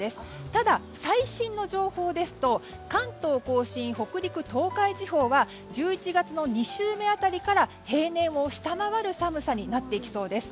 ただ、最新の情報ですと関東・甲信、北陸・東海地方は１１月の２週目辺りから平年を下回る寒さになってきそうです。